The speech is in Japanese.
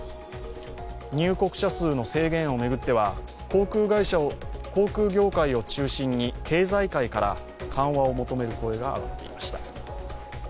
入国者数の制限を巡っては航空業界を中心に経済界から緩和を求める声が上がっていました。